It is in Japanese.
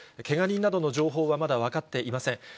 けが人などの情報は、まだ分かっていません。